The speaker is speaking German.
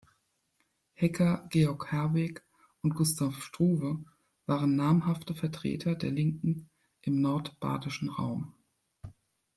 Hecker, Georg Herwegh und Gustav Struve waren namhafte Vertreter der Linken im nordbadischen Raum.